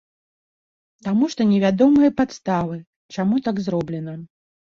Таму што невядомыя падставы, чаму так зроблена.